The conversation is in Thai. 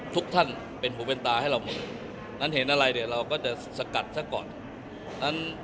ทุกท่านเป็นหูเป็นตาให้เราหมดนั้นเห็นอะไรเนี่ยเราก็จะสกัดซะก่อน